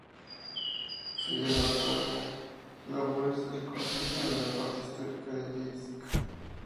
Se llevan a cabo labores de reconstrucción de la parte histórica de Yeisk.